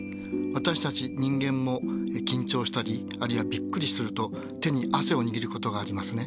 私たち人間も緊張したりあるいはびっくりすると手に汗を握ることがありますね。